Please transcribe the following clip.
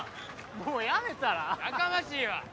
・もうやめたら？やかましいわ！